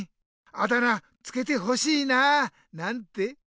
あだ名つけてほしいななんて。